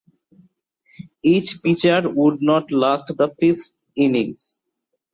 Each pitcher would not last the fifth inning.